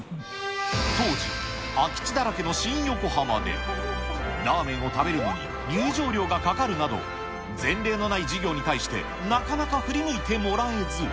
当時、空き地だらけの新横浜で、ラーメンを食べるのに入場料がかかるなど、前例のない事業に対して、なかなか振り向いてもらえず。